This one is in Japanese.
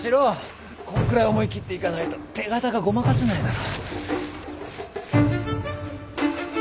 こんくらい思い切っていかないと手形がごまかせないだろ。